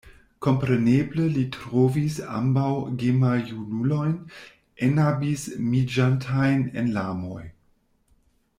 Kompreneble li trovis ambaŭ gemaljunulojn enabismiĝantajn en larmoj.